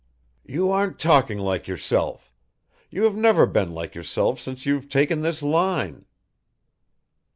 "You aren't talking like yourself you have never been like yourself since you've taken this line."